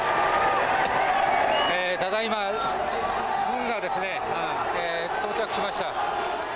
ただいま、到着しました。